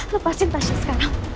lepaskan tasya sekarang